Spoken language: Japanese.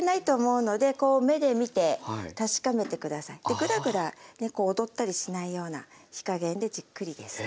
グラグラこう躍ったりしないような火加減でじっくりですね。